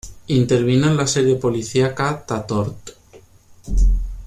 Intervino en la serie policíaca “Tatort.